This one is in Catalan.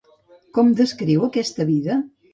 Com descriu aquesta vida?